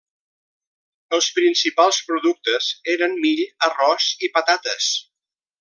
Els principals productes eren mill, arròs i patates.